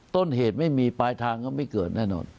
ต้นเหตุไม่มีปลายทางก็ไม่เกิดแน่นอน